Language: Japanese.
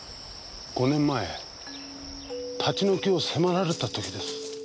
５年前立ち退きを迫られた時です。